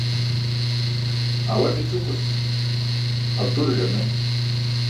Awate ćʰukus alture ẓame.